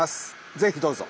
是非どうぞ！